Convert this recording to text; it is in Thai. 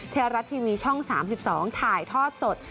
ไทยรัฐทีวีช่อง๓๒ถ่ายทอดสด